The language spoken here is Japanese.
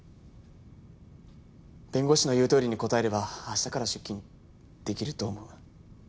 弁護士の言うとおりに答えれば明日から出勤できると思う。